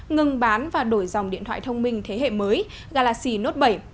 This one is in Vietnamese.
ngừng bán và đổi dòng điện thoại thông minh thế hệ mới galaxy note bảy